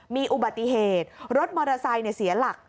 มีอุบัติเหตุรถมอเตอร์ไซค์เสียหลัก